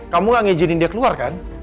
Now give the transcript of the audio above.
kamu gak ngizinin dia keluar kan